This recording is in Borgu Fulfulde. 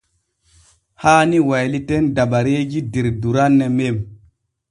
Haani wayliten dabareeji der duranne men.